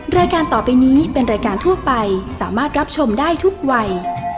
รายการต่อไปนี้เป็นรายการทั่วไปสามารถรับชมได้ทุกวัย